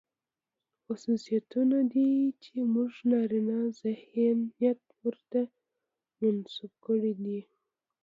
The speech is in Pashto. خصوصيتونه دي، چې زموږ نارينه ذهنيت ورته منسوب کړي دي.